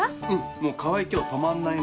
もう川合今日止まんないね。